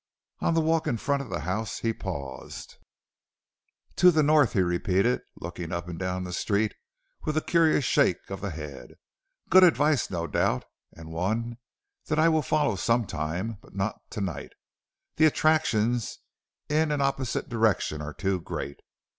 On the walk in front of the house he paused. "To the north," he repeated, looking up and down the street, with a curious shake of the head; "good advice, no doubt, and one that I will follow some time, but not to night. The attractions in an opposite direction are too great."